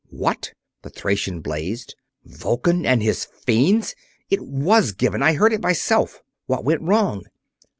"What?" the Thracian blazed. "Vulcan and his fiends! It was given I heard it myself! What went wrong?"